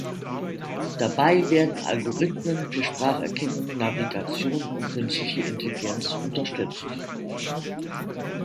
Dabei werden Algorithmen für Spracherkennung, Navigation und Künstliche Intelligenz unterstützt.